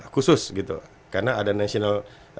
khusus gitu karena ada national